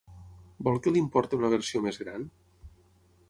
Vol que li'n porti una versió més gran?